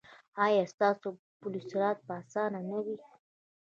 ایا ستاسو پل صراط به اسانه نه وي؟